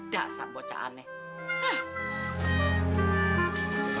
dasar bocah aneh